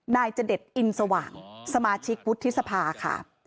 นายจเดชอินสว่างสมาชิกวุฒิสภาค่ะ